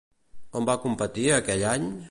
On va competir aquell any?